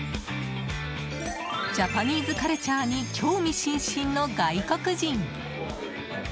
ジャパニーズカルチャーに興味津々の外国人！